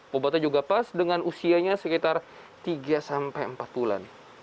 bobotnya juga pas dengan usianya sekitar tiga sampai empat bulan